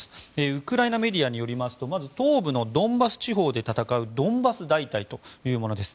ウクライナメディアによりますと東部のドンバス地方で戦うドンバス大隊というものです。